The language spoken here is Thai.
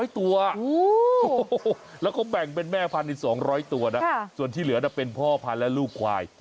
๐ตัวแล้วก็แบ่งเป็นแม่พันธุ์๒๐๐ตัวนะส่วนที่เหลือเป็นพ่อพันธุ์และลูกควาย